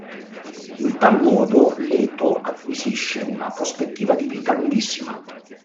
In tal modo Leto acquisisce una prospettiva di vita lunghissima.